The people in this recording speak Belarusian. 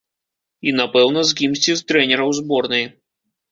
І, напэўна, з кімсьці з трэнераў зборнай.